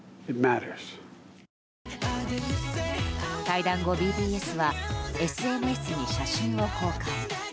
対談後、ＢＴＳはＳＮＳに写真を公開。